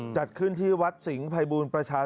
จัดขึ้นที่วัดสิงห์ภัยบูรณประชา